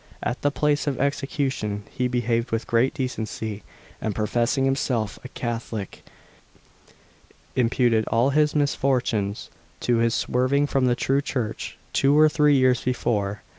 At the place of execution he behaved with great decency; and professing himself a Catholic, imputed all his misfortunes to his swerving from the true church two or three years before.